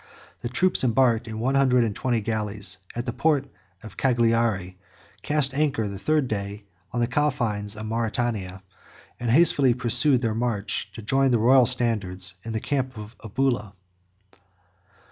The troops embarked in one hundred and twenty galleys at the port of Caghari, cast anchor the third day on the confines of Mauritania, and hastily pursued their march to join the royal standard in the camp of Bulla.